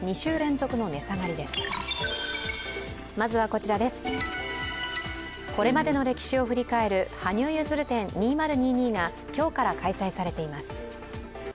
これまでの歴史を振り返る羽生結弦展２０２２が今日から開催されています。